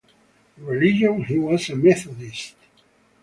In religion, he was a Methodist.